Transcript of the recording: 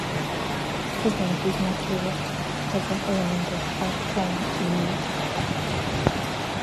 Even his material has an element of art form in it.